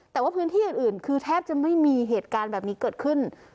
แต่ว่าพื้นที่อื่นคือแทบจะไม่มีเหตุการณ์แบบนี้เกิดขึ้น